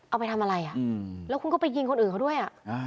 เอาไปทำอะไรแล้วคุณก็ไปยิงคนอื่นเขาด้วย